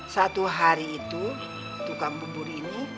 satu hari itu tukang bubur ini